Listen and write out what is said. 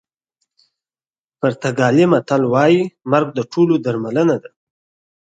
پرتګالي متل وایي مرګ د ټولو درملنه ده.